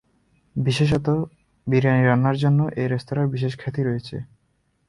বিশেষত, বিরিয়ানি রান্নার জন্য এই রেস্তোরাঁর বিশেষ খ্যাতি রয়েছে।